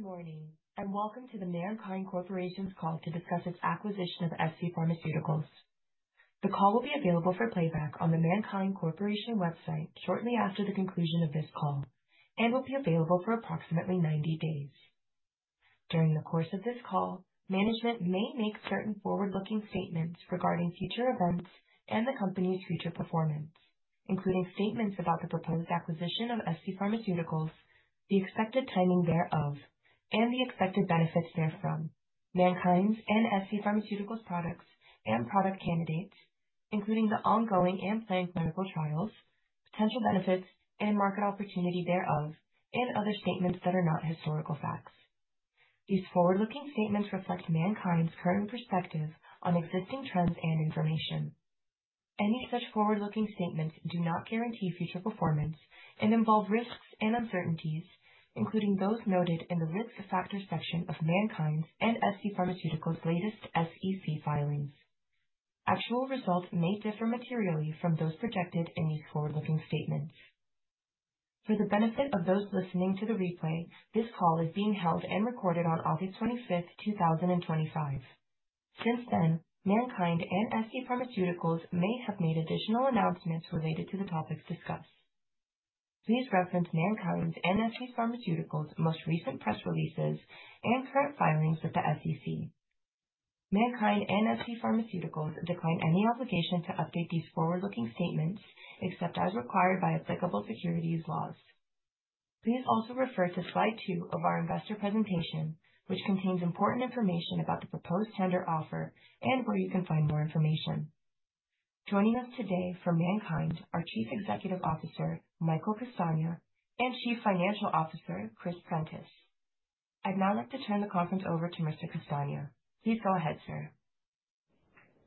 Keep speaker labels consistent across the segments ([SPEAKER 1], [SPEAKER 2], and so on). [SPEAKER 1] Good morning and welcome to the MannKind Corporation's call to discuss its acquisition of SC Pharmaceuticals. The call will be available for playback on the MannKind Corporation website shortly after the conclusion of this call and will be available for approximately 90 days. During the course of this call, management may make certain forward-looking statements regarding future events and the company's future performance, including statements about the proposed acquisition of SC Pharmaceuticals, the expected timing thereof, and the expected benefits therefrom. MannKind's and SC Pharmaceuticals' products and product candidates, including the ongoing and planned clinical trials, potential benefits, and market opportunity thereof, and other statements that are not historical facts. These forward-looking statements reflect MannKind's current perspective on existing trends and information. Any such forward-looking statements do not guarantee future performance and involve risks and uncertainties, including those noted in the Rules of Factors section of MannKind's and SC Pharmaceuticals' latest SEC filings. Actual results may differ materially from those projected in these forward-looking statements. For the benefit of those listening to the replay, this call is being held and recorded on August 25, 2025. Since then, MannKind and SC Pharmaceuticals may have made additional announcements related to the topics discussed. Please reference MannKind's and SC Pharmaceuticals' most recent press releases and current filings with the SEC. MannKind and SC Pharmaceuticals decline any obligation to update these forward-looking statements except as required by applicable securities laws. Please also refer to slide two of our investor presentation, which contains important information about the proposed tender offer and where you can find more information. Joining us today from MannKind are Chief Executive Officer Michael Castagna and Chief Financial Officer Chris Prentiss. I'd now like to turn the conference over to Mr. Castagna. Please go ahead, sir.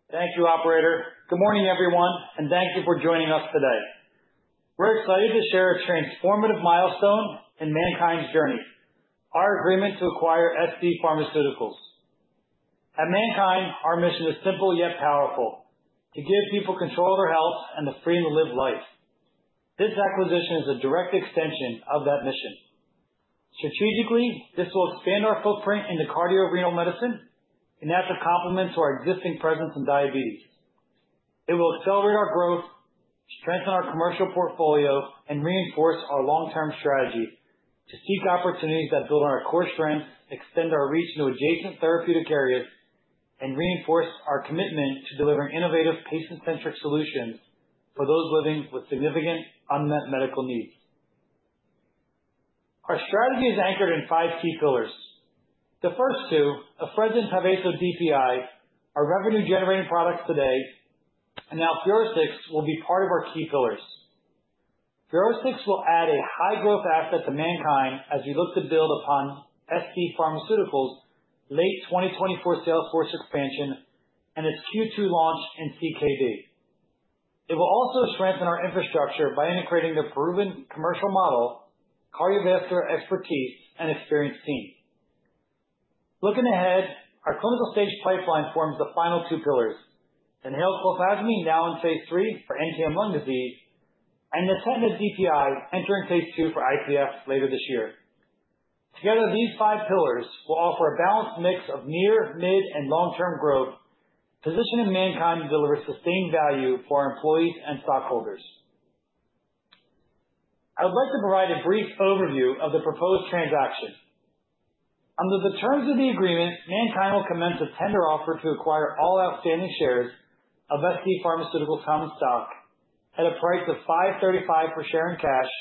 [SPEAKER 2] Thank you, Operator. Good morning, everyone, and thank you for joining us today. We're excited to share a transformative milestone in MannKind's journey. Our agreement to acquire SC Pharmaceuticals. At MannKind, our mission is simple yet powerful to give people control of their health and the freedom to live life. This acquisition is a direct extension of that mission. Strategically, this will expand our footprint into cardiorenal medicine, an active complement to our existing presence in diabetes. It will accelerate our growth, strengthen our commercial portfolio, and reinforce our long-term strategies to seize opportunities that build our core strength, extend our reach into adjacent therapeutic areas, and reinforce our commitment to delivering innovative, patient-centric solutions for those living with significant unmet medical needs. Our strategy is anchored in five key pillars. The first two, a presence of AsoDPI, our revenue-generating products today, and now FUROSCIX will be part of our key pillars. FUROSCIX will add a high-growth asset to MannKind as we look to build upon SC Pharmaceuticalslate 2024 Salesforce expansion and its future launch in CKD. It will also strengthen our infrastructure by integrating the proven commercial model, cardiovascular expertise, and experienced team. Looking ahead, our clinical stage pipeline forms the final two pillars: inhaled clorphasmin, now in phase Three for NTM lung disease, and Nitrontin DPI entering phase Two for IPF later this year. Together, these five pillars will offer a balanced mix of near, mid, and long-term growth, positioning MannKind to deliver sustained value for our employees and stockholders. I would like to provide a brief overview of the proposed transaction. Under the terms of the agreement, MannKind will commence a tender offer to acquire all outstanding shares of SC Pharmaceuticals' common stock at a price of $5.35 per share in cash,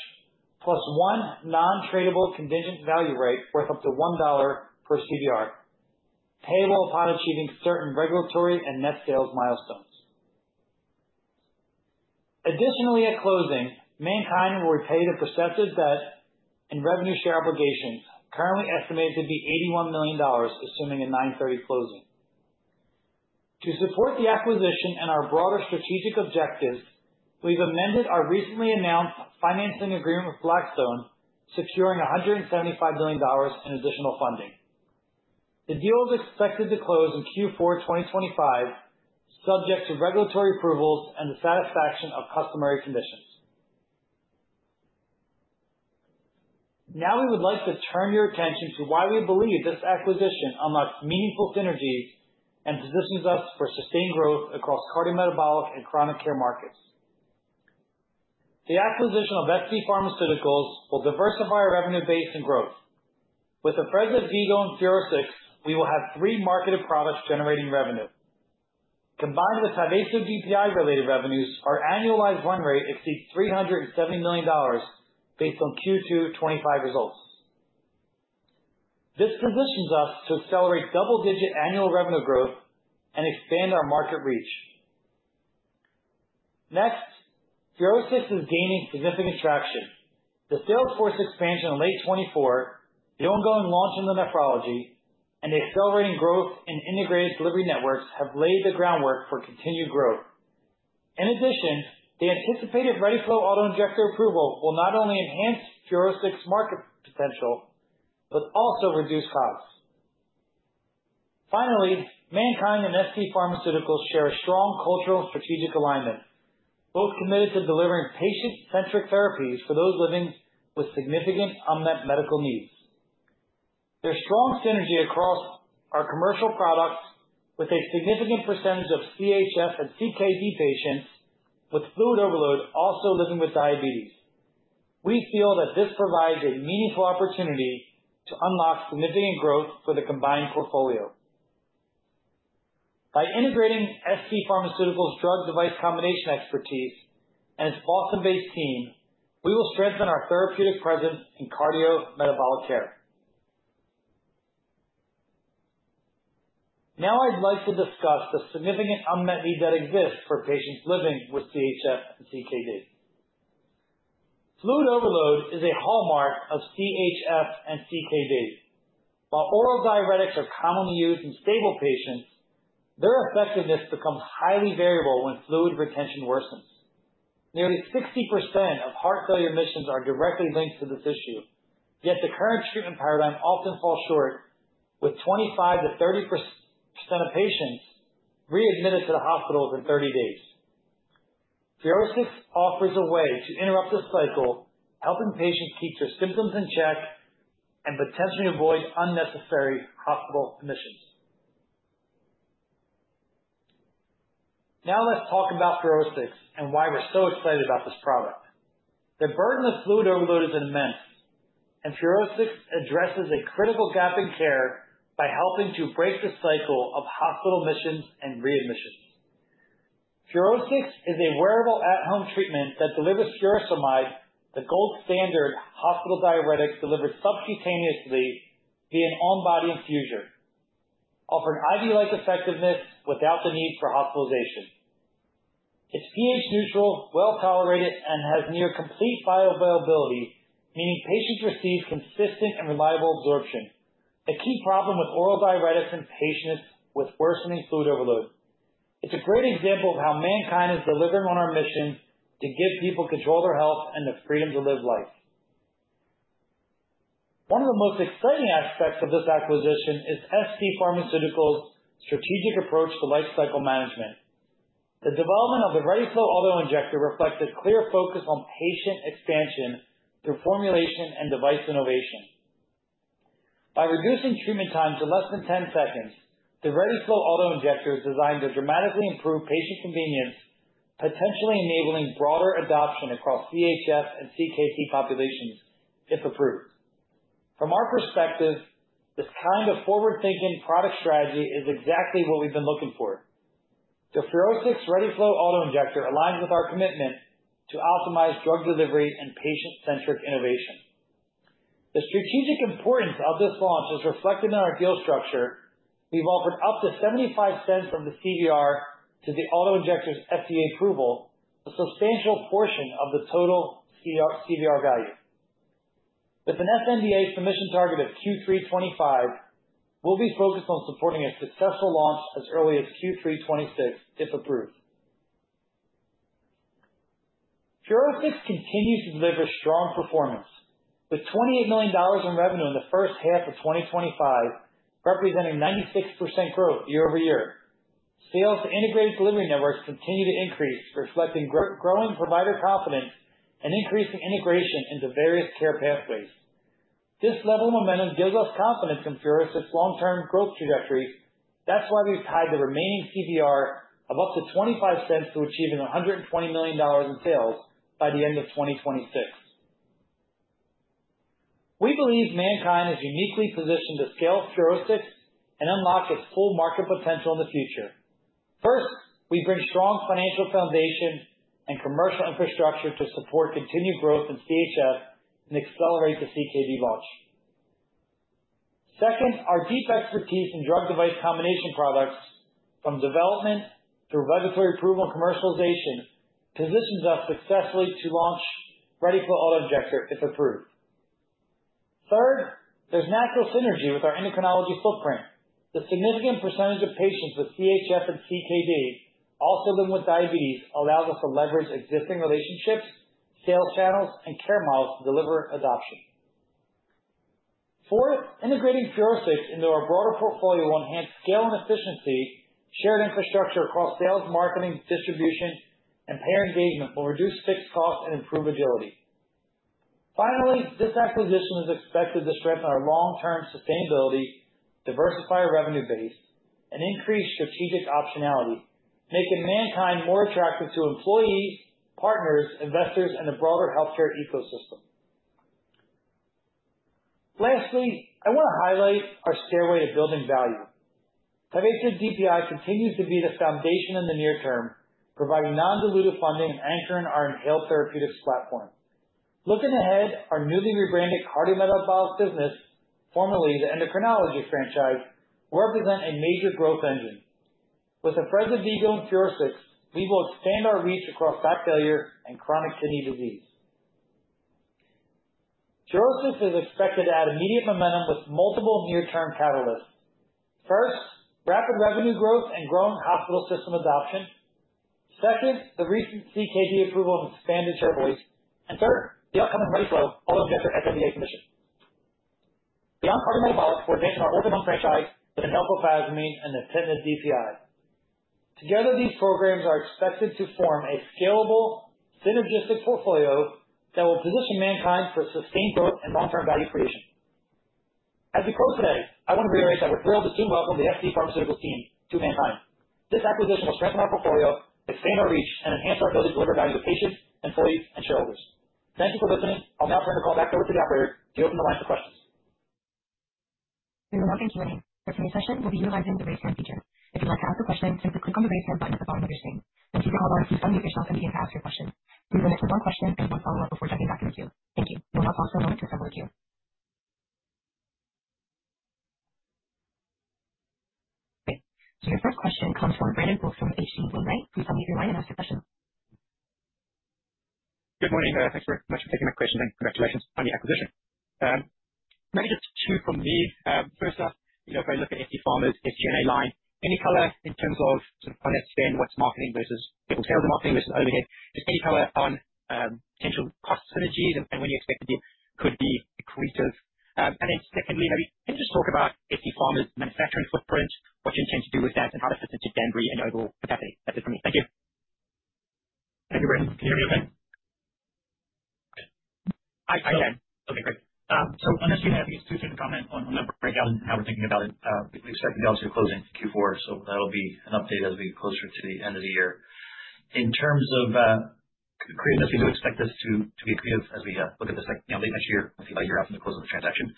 [SPEAKER 2] plus one non-tradable contingent value right worth up to $1 per CVR, payable upon achieving certain regulatory and net sales milestones. Additionally, at closing, MannKind will repay the processor debt and revenue share obligations currently estimated to be $81 million, assuming a 9/30 closing. To support the acquisition and our broader strategic objectives, we've amended our recently announced financing agreement with Blackstone, securing $175 million in additional funding. The deal is expected to close in Q4 2025, subject to regulatory approvals and the satisfaction of customary conditions. Now, we would like to turn your attention to why we believe this acquisition unlocks meaningful synergies and positions us for sustained growth across cardiometabolic and chronic care markets. The acquisition of SC Pharmaceuticals will diversify our revenue base and growth. With a presence in Vigo and FUROSCIX, we will have three marketed products generating revenue. Combined with some AsoDPI-related revenues, our annualized run rate exceeds $370 million based on Q2 2025 results. This positions us to accelerate double-digit annual revenue growth and expand our market reach. Next, FUROSCIX is gaining significant traction. The Salesforce expansion in late 2024, the ongoing launch into nephrology, and the accelerating growth in integrated delivery networks have laid the groundwork for continued growth. In addition, the anticipated FUROSCIX ready-flow auto-injector approval will not only enhance FUROSCIX's market potential but also reduce costs. Finally, MannKind and SC Pharmaceuticals share a strong cultural and strategic alignment, both committed to delivering patient-centric therapies for those living with significant unmet medical needs. There is strong synergy across our commercial products with a significant percentage of CHF and CKD patients with fluid overload also living with diabetes. We feel that this provides a meaningful opportunity to unlock significant growth for the combined portfolio. By integrating SC Pharmaceuticals' drug-device combination expertise and its Boston-based team, we will strengthen our therapeutic presence in cardiometabolic care. Now, I'd like to discuss the significant unmet need that exists for patients living with CHF and CKD. Fluid overload is a hallmark of CHF and CKD. While oral diuretics are commonly used in stable patients, their effectiveness becomes highly variable when fluid retention worsens. Nearly 60% of heart failure admissions are directly linked to this issue, yet the current treatment paradigm often falls short, with 25% to 30% of patients readmitted to the hospital within 30 days. FUROSCIX offers a way to interrupt this cycle, helping patients keep their symptoms in check and potentially avoid unnecessary hospital admissions. Now, let's talk about FUROSCIX and why we're so excited about this product. The burden of fluid overload is immense, and FUROSCIX addresses a critical gap in care by helping to break the cycle of hospital admissions and readmissions. FUROSCIX is a wearable at-home treatment that delivers furosemide, the gold standard hospital diuretic delivered subcutaneously via an on-body infusion, offering IV-like effectiveness without the need for hospitalization. It's pH neutral, well-tolerated, and has near complete bioavailability, meaning patients receive consistent and reliable absorption, a key problem with oral diuretics in patients with worsening fluid overload. It's a great example of how MannKind is delivering on our mission to give people control of their health and the freedom to live life. One of the most exciting aspects of this acquisition is SC Pharmaceuticals' strategic approach to lifecycle management. The development of the ready-flow auto-injector reflects a clear focus on patient expansion through formulation and device innovation. By reducing treatment times to less than 10 seconds, the ready-flow auto-injector is designed to dramatically improve patient convenience, potentially enabling broader adoption across CHF and CKD populations if approved. From our perspective, the time-to-forward-thinking product strategy is exactly what we've been looking for. The FUROSCIX ready-flow auto-injector aligns with our commitment to optimize drug delivery and patient-centric innovation. The strategic importance of this launch was reflected in our deal structure. We've offered up to $0.75 from the CVR to the auto-injector's FDA approval, a substantial portion of the total CVR value. With an FDA submission target of Q3 2025, we'll be focused on supporting a successful launch as early as Q3 2026, if approved. FUROSCIX continues to deliver strong performance, with $28 million in revenue in the first half of 2025, representing 96% growth year over year. Sales to integrated delivery networks continue to increase, reflecting growing provider confidence and increasing integration into various care pathways. This level of momentum gives us confidence in FUROSCIX' long-term growth trajectory. That's why we've tied the remaining CVR of up to $0.25 to achieving $120 million in sales by the end of 2026. We believe MannKind is uniquely positioned to scale FUROSCIX and unlock its full market potential in the future. First, we bring strong financial foundations and commercial infrastructure to support continued growth in CHF and accelerate the CKD launch. Second, our deep expertise in drug-device combination products, from development to regulatory approval and commercialization, positions us successfully to launch FUROSCIX ready-flow auto-injector if approved. Third, there's natural synergy with our endocrinology footprint. The significant % of patients with CHF and CKD also living with diabetes allows us to leverage existing relationships, sales channels, and care models to deliver adoption. Fourth, integrating FUROSCIX into our broader portfolio will enhance scale and efficiency. Shared infrastructure across sales, marketing, distribution, and payer engagement will reduce fixed costs and improve agility. Finally, this acquisition is expected to strengthen our long-term sustainability, diversify our revenue base, and increase strategic optionality, making MannKind more attractive to employees, partners, investors, and the broader healthcare ecosystem. Lastly, I want to highlight our stairway to building value. AsoDPI continues to be the foundation in the near term, providing non-dilutive funding and anchoring our inhaled therapeutics platform. Looking ahead, our newly rebranded cardiometabolic business, formerly the endocrinology franchise, will represent a major growth engine. With a presence in Vigo and FUROSCIX, we will expand our reach across heart failure and chronic kidney disease. FUROSCIX is expected to add immediate momentum with multiple near-term catalysts. First, rapid revenue growth and growing hospital system adoption. Second, the recent CKD approval and expanded shortlisting. Third, the upcoming FUROSCIX ready-flow auto-injector FDA approval. Non-cardiometabolic for additional ultimate franchise and Wassim Fares and Nitrontin DPI. Together, these programs are expected to form a scalable, synergistic portfolio that will position MannKind for sustained growth and long-term value creation. As we close today, I want to reiterate that we're thrilled to welcome the SC Pharmaceuticals team to MannKind. This acquisition is strengthening our portfolio, expanding our reach, and enhancing our ability to deliver value to patients, employees, and stakeholders. Thank you for listening, and I'll now turn the call back over to the Operator to open the line for questions.
[SPEAKER 1] Thank you for watching, Sharon. For the second session, we'll be utilizing the device transmitter. If you don't have a question, you can click on the device handpiece following the machine. If you have a question, you can ask your question. If you don't have a question, then follow up before the whole record is here. We'll now pass the line to someone here. Your first question comes from Brandon [Wolfram]. Is he willing to stop me if you want to ask a question? Good morning. Thanks for taking the question, and congratulations on the acquisition. My name is two from these. First off, you know, if I look at SC Pharmaceuticals' SG&A line, any color in terms of kind of spend, what's marketing versus the material marketing versus overhead? The key color on potential possibilities and what you expect to do could be accretive. Secondly, maybe you can just talk about SC Pharmaceuticals' manufacturing footprint, what you intend to do with that, and how it fits into Bambry and overall capacity. That's it for me. Thank you.
[SPEAKER 3] I can hear you. Hi, I can. Okay, great. On the CVR, I think it's crucial to comment on the breakdown and how we're thinking about it. We've strictly gone through closing Q4, so that'll be an update as we get closer to the end of the year. In terms of creating this thing, we expect this to be accretive as we look at this like late next year, I'll see about a year after the close of this transaction.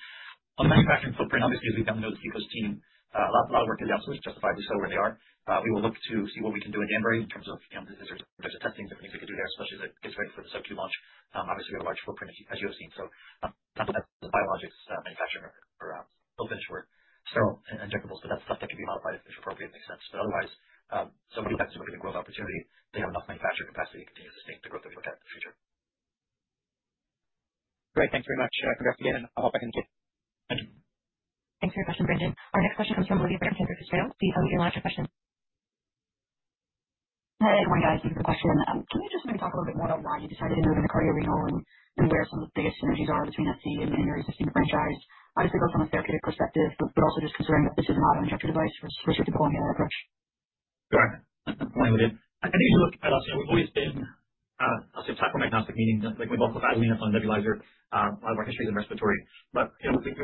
[SPEAKER 3] On the manufacturing footprint, obviously, as we've done with the key post team, a lot of work to do outsourced, justified, we saw where they are. We will look to see what we can do in Bambry in terms of, you know, there's a testing that we need to do there, especially as it gets ready for the sub-Q launch. We have a large footprint, as you have seen. That's the biologics manufacturer for open-source sterile and injectable. That's stuff that could be modified if appropriate. Otherwise, nobody has a significant growth opportunity. They have enough manufacturing capacity to continue to sustain the growth that we want to have in the future. Great. Thank you very much, Dr. Garfield. I hope I can be okay.
[SPEAKER 1] Thanks for your question, Brandon. Our next question comes from. Please go ahead with your last question. Hi, good morning, guys. Thank you for the question. I'm just interested in talking a little bit more about why you decided to do cardiorenal and major based on CHF and CKD and your existing franchise. Obviously, both on a therapeutic perspective, but also just considering that this is a lot of injector device versus a polymer approach.
[SPEAKER 3] Got it. I'm fine with it. I think if you look at us, we've always been, I'll say, psychomagnostic, meaning like with Wassim Fares being a fund nebulizer, a lot of our history is in respiratory. We're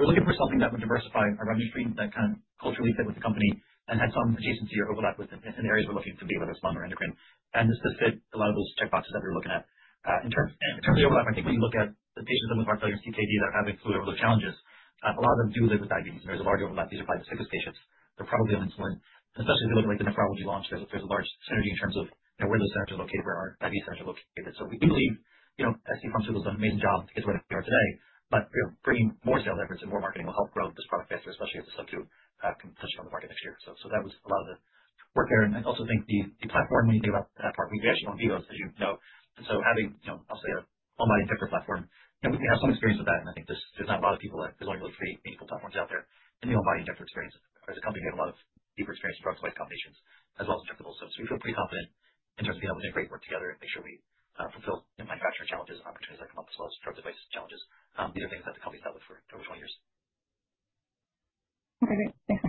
[SPEAKER 3] looking for something that would diversify our revenue stream that can culturally fit with the company and have some adjacency or overlap within areas we're looking to do, whether it's lung or endocrine. This would fit a lot of those check boxes that we were looking at in terms. If you look at the patients with heart failure and CKD that have these fluid overload challenges, a lot of them do live with diabetes. There's a large overlap with cardiovascular patients. They're probably on insulin. Especially if you look at the nephrology launch, there's a large synergy in terms of where those therapies are located, where our diabetes therapies are located. We believe it becomes one of the main jobs to get to where we are today. Bringing more sales efforts and more marketing will help grow this product faster, especially as the sub-Q touches on the market next year. That was a lot of the work there. I also think the platform needs to be left to that part. We actually own Vigo, as you know. Having, I'll say, an online injector platform, and we have some experience with that. I think just there's not a lot of people that are designing those free meaningful platforms out there. We own buying injector experience. As a company, we have a lot of injector experience, drugs like combinations, as well as injectables. We feel pretty confident in terms of being able to integrate and work together and make sure we fulfill manufacturing challenges and opportunities that come up with those drug-based challenges. These are things that the company's had with us for over 20 years. Okay, great. Thanks.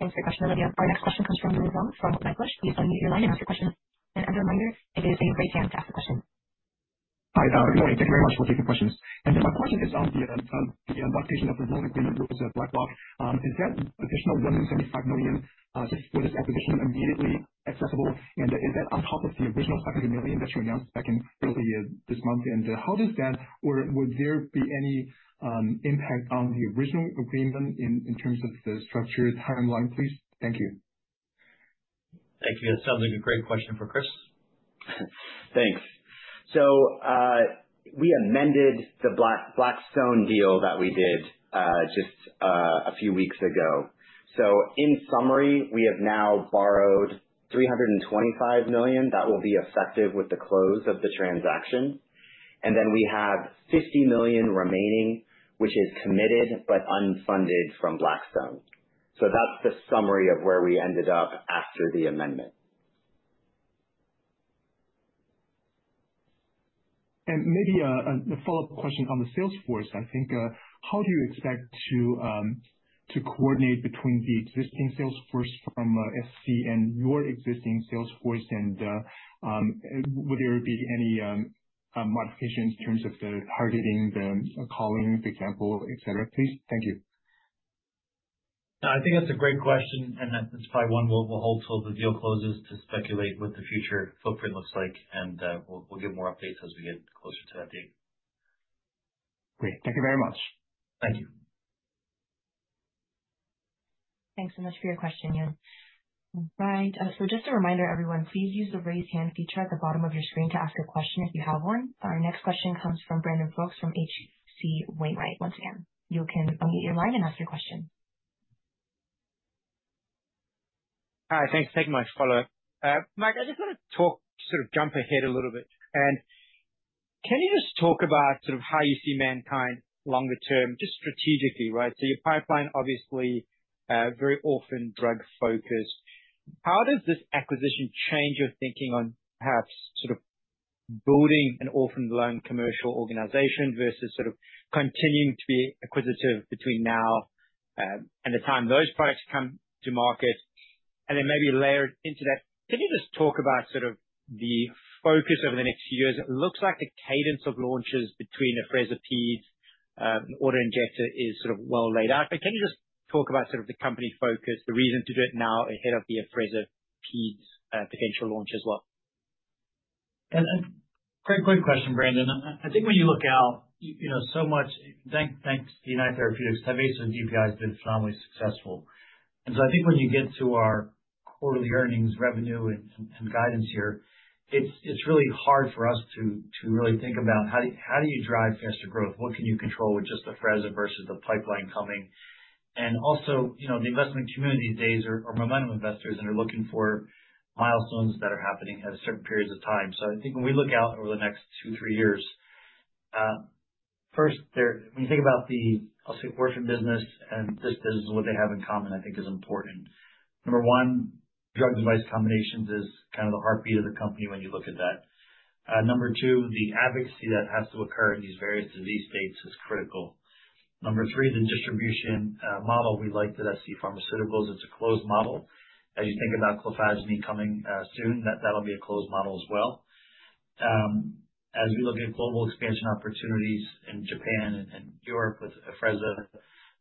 [SPEAKER 1] Last question, there are quite a few questions from the room as well. I'll just pause the questions. Please go ahead with your line and ask a question. As a reminder, today is a great day to ask questions. Hi, you're taking the last 42 questions. My question is on the adaptation of the new business weblog. Yes, $975 million, as we spoke to him immediately, it's a lot of in the. At the top of an original academic industry announcement back in the middle of the year this month. Would there be any impact on the original agreement in terms of the structured timeline, please? Thank you.
[SPEAKER 2] Thank you. That sounds like a great question for Chris.
[SPEAKER 3] Thanks. We amended the Blackstone deal that we did a few weeks ago. In summary, we have now borrowed $325 million that will be effective with the close of the transaction, and we have $50 million remaining, which is committed but unfunded from Blackstone. That's the summary of where we ended up after the amendment. Maybe a follow-up question on the Salesforce. How do you expect to coordinate between the existing Salesforce from SC Pharmaceuticals and your existing Salesforce? Will there be any modifications in terms of the targeting, the column, for example, et cetera? Thank you.
[SPEAKER 2] I think that's a great question. That's probably one we'll hold till the deal closes to speculate what the future footprint looks like. We'll give more updates as we get closer to that date. Great. Thank you very much. Thank you.
[SPEAKER 1] Thanks so much for your question, Neil. Just a reminder, everyone, please use the raise hand feature at the bottom of your screen to ask a question if you have one. Our next question comes from Brandon Fulks from H.C. Wainwright. Once again, you can unmute your line and ask your question.
[SPEAKER 4] Hi, thanks so much for the follow-up. Mike, I just want to jump ahead a little bit. Can you just talk about how you see MannKind longer term, just strategically, right? Your pipeline, obviously, is very orphan drug focused. How does this acquisition change your thinking on perhaps building an orphan-loan commercial organization versus continuing to be acquisitive between now and the time those products come to market? Maybe layered into that, can you just talk about the focus over the next few years? It looks like the cadence of launches between Afrezza Peds and the auto-injector is well laid out. Can you just talk about the company focus, the reason to do it now ahead of the Afrezza Peds potential launch as well?
[SPEAKER 2] Great question, Brandon. I think when you look out, you know, so much, thanks to United Therapeutics, AsoDPI has been strongly successful. I think when you get to our quarterly earnings revenue and guidance here, it's really hard for us to really think about how do you drive faster growth? What can you control with just Afrezza versus the pipeline coming? Also, you know, the investment community these days are momentum investors and are looking for milestones that are happening at certain periods of time. I think when we look out over the next two, three years, first, when you think about the Osgoode-Bornstrom business and this is what they have in common, I think is important. Number one, drug-device combinations is kind of the heartbeat of the company when you look at that. Number two, the advocacy that has to occur in these various disease states is critical. Number three, the distribution model we like at SC Pharmaceuticals, it's a closed model. As you think about clorphasmin coming soon, that'll be a closed model as well. As we look at global expansion opportunities in Japan and Europe with Afrezza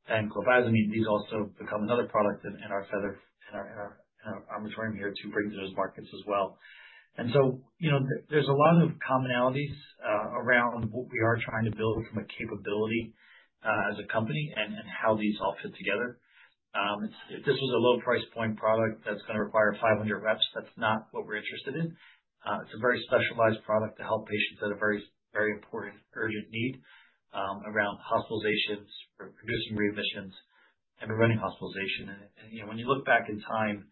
[SPEAKER 2] and clorphasmin, these also become another product in our armatorium here to bring to those markets as well. You know, there's a lot of commonalities around what we are trying to build from a capability as a company and how these all fit together. If this was a low price point product that's going to require 500 reps, that's not what we're interested in. It's a very specialized product to help patients that have a very, very important urgent need around hospitalizations, reducing readmissions, and preventing hospitalization. You know, when you look back in time,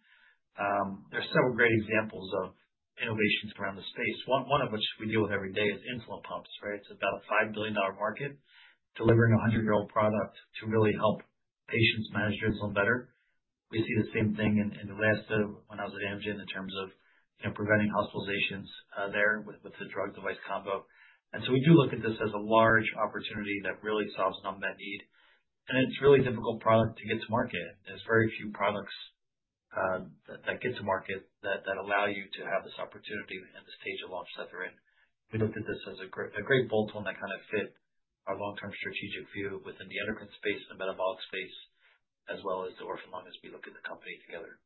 [SPEAKER 2] there's several great examples of innovations around the space. One of which we deal with every day is insulin pumps, right? It's about a $5 billion market, delivering a 100-year-old product to really help patients manage their insulin better. We see the same thing in the labs that went out with Amgen in terms of preventing hospitalizations there with the drug-device combo. We do look at this as a large opportunity that really solves some of that need. It's a really difficult product to get to market. There's very few products that get to market that allow you to have this opportunity at the stage of launch that they're in. We looked at this as a great bolt-on that kind of fit our long-term strategic view within the endocrine space and the metabolic space, as well as the orphan loan as we look at the company together.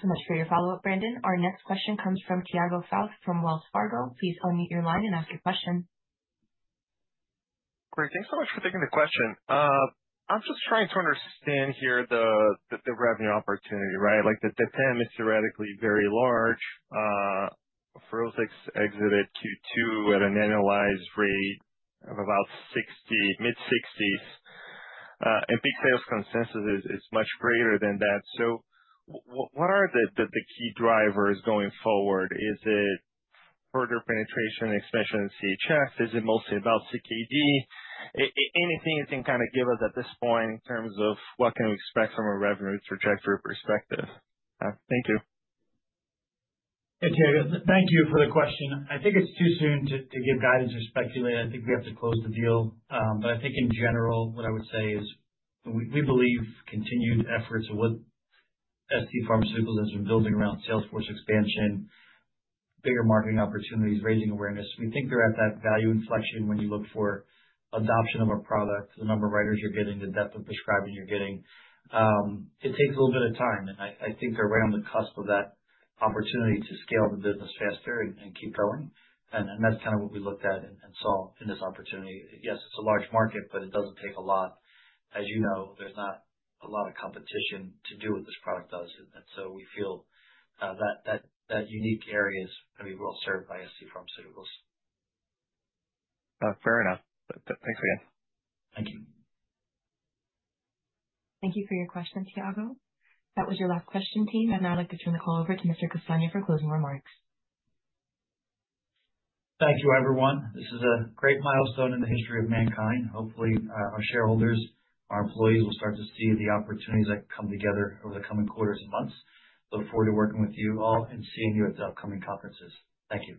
[SPEAKER 1] Great. Thanks so much for your follow-up, Brandon. Our next question comes from Tiago Fauth from Wells Fargo. Please unmute your line and ask your question.
[SPEAKER 5] Great. Thanks so much for taking the question. I'm just trying to understand here the revenue opportunity, right? Like the TAM, it's theoretically very large. FUROSCIX exited Q2 at an annualized rate of about $60 million, mid-$60 million. Big sales consensus is much greater than that. What are the key drivers going forward? Is it further penetration and expansion in CHF? Is it mostly about CKD? Anything you can kind of give us at this point in terms of what can we expect from a revenue trajectory perspective? Thank you.
[SPEAKER 2] Hey, Tiago, thank you for the question. I think it's too soon to give guidance or speculate. I think we have to close the deal. In general, what I would say is we believe continued efforts of what SC Pharmaceuticals has been building around salesforce expansion, bigger marketing opportunities, raising awareness. We think they're at that value inflection when you look for adoption of a product, the number of writers you're getting, the depth of prescribing you're getting. It takes a little bit of time. I think they're right on the cusp of that opportunity to scale the business faster and keep going. That's kind of what we looked at and saw in this opportunity. Yes, a large market, but it doesn't take a lot. As you know, there's not a lot of competition to do what this product does. We feel that unique area is going to be well served by SC Pharmaceuticals.
[SPEAKER 5] Fair enough. Thanks again.
[SPEAKER 2] Thank you.
[SPEAKER 1] Thank you for your question, Tiago. That was your last question, team. I'd now like to turn the call over to Mr. Castagna for closing remarks.
[SPEAKER 2] Thank you, everyone. This is a great milestone in the history of MannKind. Hopefully, our shareholders and our employees will start to see the opportunities that come together over the coming quarters and months. I look forward to working with you all and seeing you at the upcoming conferences. Thank you.